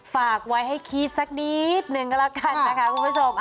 ฝากไว้ให้คิดสักนิดนึงก็แล้วกันนะคะคุณผู้ชม